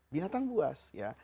binatang buas ya